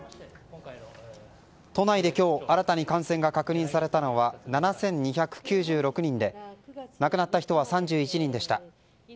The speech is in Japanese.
都内で今日新たに感染が確認されたのは７２９６人で亡くなった人は３１人でした。